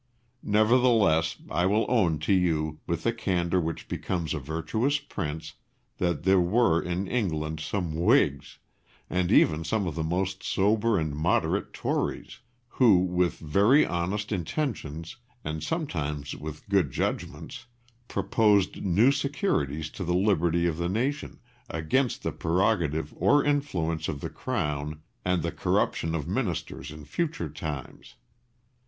Nevertheless I will own to you, with the candour which becomes a virtuous prince, that there were in England some Whigs, and even some of the most sober and moderate Tories, who, with very honest intentions, and sometimes with good judgments, proposed new securities to the liberty of the nation, against the prerogative or influence of the Crown and the corruption of Ministers in future times.